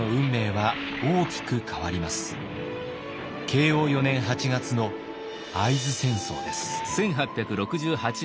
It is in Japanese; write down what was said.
慶応４年８月の会津戦争です。